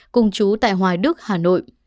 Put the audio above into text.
cùng chú tại hoài đức hà nội